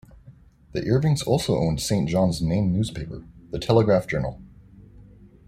The Irvings also owned Saint John's main newspaper, The Telegraph-Journal.